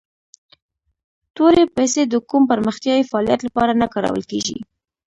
تورې پیسي د کوم پرمختیایي فعالیت لپاره نه کارول کیږي.